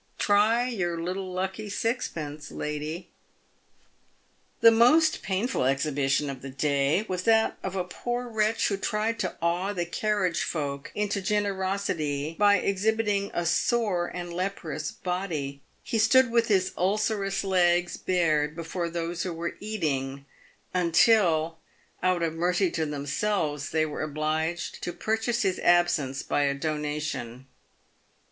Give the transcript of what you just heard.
Try your little lucky sixpence, lady," &c. The most painful exhibition of the day was that of a poor wretch who tried to awe the carriage folk into generosity by exhibiting a sore and leprous body. He stood with his ulcerous legs bared before those who were eating, until, out of mercy to themselves, they were obliged to purchase his absence by a donation.